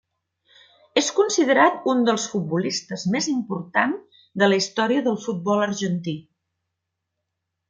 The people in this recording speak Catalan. És considerat un dels futbolistes més important de la història del futbol argentí.